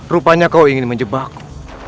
rupanya kau ingin menjebakku